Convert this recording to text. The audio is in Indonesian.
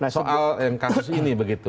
soal kasus ini begitu